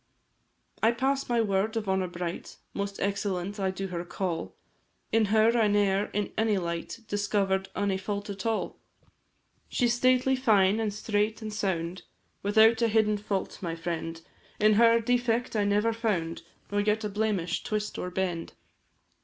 I pass my word of honour bright Most excellent I do her call; In her I ne'er, in any light, Discover'd any fault at all. She is stately, fine, an' straight, an' sound, Without a hidden fault, my friend; In her, defect I never found, Nor yet a blemish, twist, or bend.